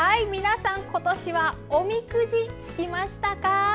皆さん、今年はおみくじ、引きましたか？